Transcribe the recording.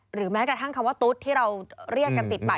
แม้กระทั่งคำว่าตุ๊ดที่เราเรียกกันติดไป